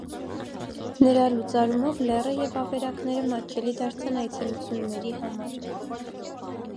Նրա լուծարումով լեռը և ավերակները մատչելի դարձան այցելությունների համար։